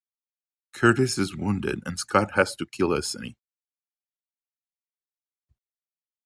Curtis is wounded and Scott has to kill Asani.